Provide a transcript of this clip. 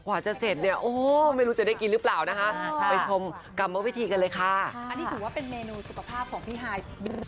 อันนี้ถูกว่าเป็นเมนูสุขภาพของพี่ฮาย